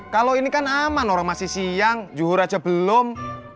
kalau ini kan aman orang masih siang juhur aja belum